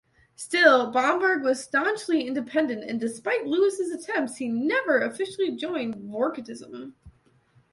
Still, Bomberg was staunchly independent and despite Lewis' attempts he never officially joined Vorticism.